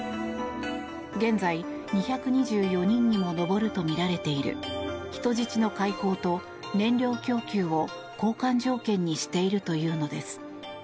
現在２２４人にも上るとみられている人質の解放と燃料供給を交換条件にしているというのです。